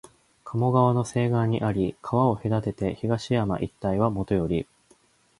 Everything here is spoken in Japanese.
加茂川の西岸にあり、川を隔てて東山一帯はもとより、